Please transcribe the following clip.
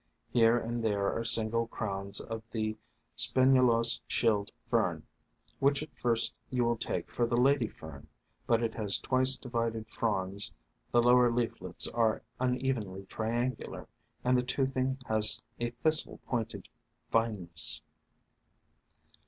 Here and there are single crowns of the Spinulose Shield Fern, which at first you will take for the Lady Fern; but it has twice divided fronds, the lower leaflets are unevenly triangular, and the toothing has a thistle pointed fineness.